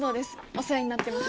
お世話になってます。